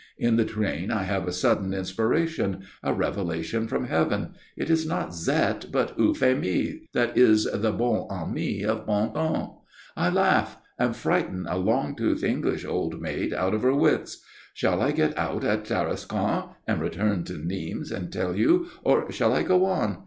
In the train I have a sudden inspiration, a revelation from Heaven. It is not Zette but Euphémie that is the bonne amie of Bondon. I laugh, and frighten a long toothed English old maid out of her wits. Shall I get out at Tarascon and return to Nîmes and tell you, or shall I go on?